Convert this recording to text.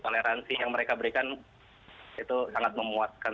toleransi yang mereka berikan itu sangat memuaskan